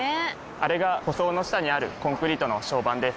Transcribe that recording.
あれが舗装の下にあるコンクリートの床版です。